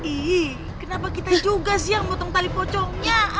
ih kenapa kita juga sih yang botong tali pocongnya ah